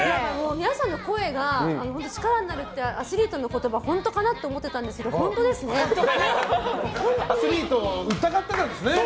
皆さんの声が本当に力になるってアスリートの言葉、本当かなって思ってましたけどアスリートを疑ってたんですね。